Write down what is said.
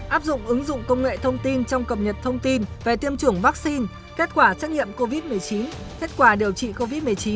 áp dụng ứng dụng công nghệ thông tin trong cập nhật thông tin về tiêm chủng vaccine kết quả xét nghiệm covid một mươi chín kết quả điều trị covid một mươi chín